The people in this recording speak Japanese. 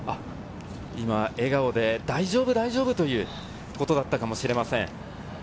今、笑顔で大丈夫、大丈夫ということだったかもしれません。